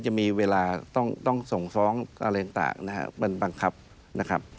จะมีเวลาต้องส่งฟ้องอะไรต่างนะครับมันบังคับนะครับ